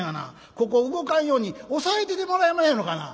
ここを動かんように押さえててもらえまへんやろかな」。